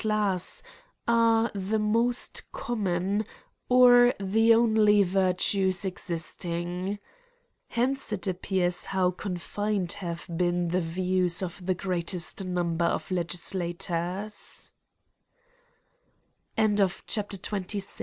^ elass) are the most common, or the only virtues existing. Hence it appears how confined have bten the views of the greatest number of legislat